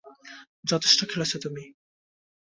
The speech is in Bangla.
যথেষ্ট খেলেছো তুমি!